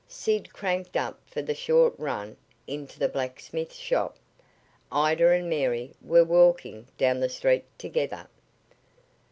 Sid cranked up for the short run into the blacksmith shop. Ida and Mary were walking down the street together.